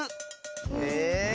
え⁉